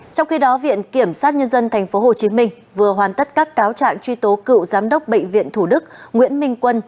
trong khi đó viện kiểm sát nhân dân tp hcm vừa hoàn tất các cáo trạng truy tố cựu giám đốc bệnh viện thủ đức nguyễn minh quân